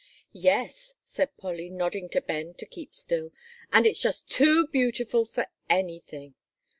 "Yes," said Polly, nodding to Ben to keep still; "and it's just too beautiful for anything."